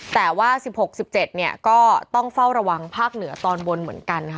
แต่ว่า๑๖๑๗ก็ต้องเฝ้าระวังภาคเหนือตอนบนเหมือนกันค่ะ